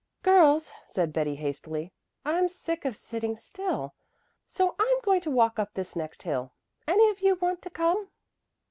"Girls," said Betty hastily, "I'm sick of sitting still, so I'm going to walk up this next hill. Any of you want to come?"